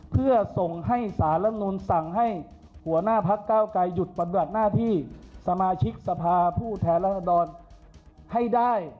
เพื่อส่งให้สารรับนูลสั่งให้หัวหน้าพักเก้าไกรหยุดปฏิบัติหน้าที่สมาชิกสภาผู้แทนรัศดรให้ได้